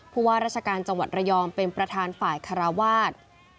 ผู้ว่าราชการจังหวัดระยองเป็นประธานฝ่ายคาราวาส